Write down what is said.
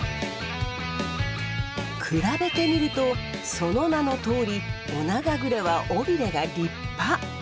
比べてみるとその名のとおりオナガグレは尾ビレが立派。